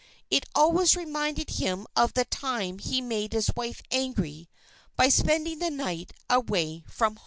It always reminded him of the time he made his wife angry by spending the night away from home.